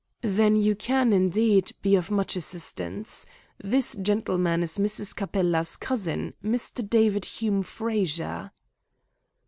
"Then you can, indeed, be of much assistance. This gentleman is Mrs. Capella's cousin, Mr. David Hume Frazer."